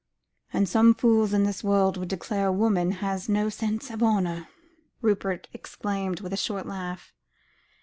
"And some fools in this world declare a woman has no sense of honour," Rupert exclaimed with a short laugh.